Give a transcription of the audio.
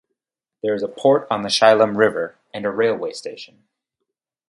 There is a port on the Chulym River and a railway station.